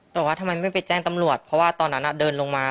บอกว่าทำไมไม่ไปแจ้งตำรวจเพราะว่าตอนนั้นเดินลงมา